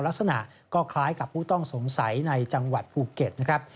ลักษณะก็คล้ายกับผู้ต้องสงสัยในจังหวัดภูเก็ตนะครับ